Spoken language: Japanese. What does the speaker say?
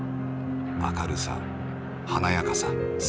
明るさ華やかさ生命力